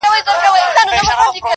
جانانه څوک ستا د زړه ورو قدر څه پیژني-